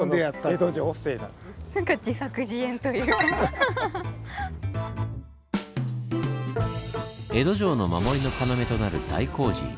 江戸城の守りの要となる大工事。